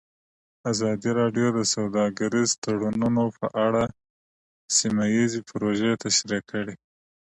ازادي راډیو د سوداګریز تړونونه په اړه سیمه ییزې پروژې تشریح کړې.